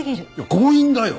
強引だよ！